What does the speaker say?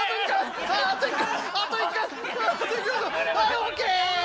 オーケー！